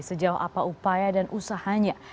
sejauh apa upaya dan usahanya